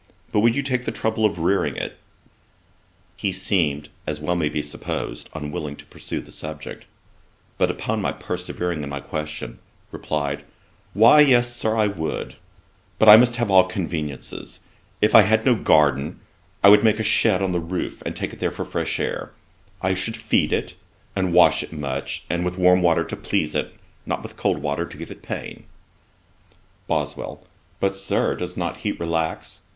'But would you take the trouble of rearing it?' He seemed, as may well be supposed, unwilling to pursue the subject: but upon my persevering in my question, replied, 'Why yes, Sir, I would; but I must have all conveniencies. If I had no garden, I would make a shed on the roof, and take it there for fresh air. I should feed it, and wash it much, and with warm water to please it, not with cold water to give it pain.' BOSWELL. 'But, Sir, does not heat relax?'